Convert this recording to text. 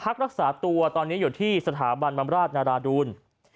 กำลังพักรักษาตัวตอนนี้อยู่ที่สถาบันบำราชนาราดูน